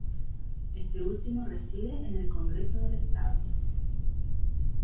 Este último reside en el Congreso del Estado.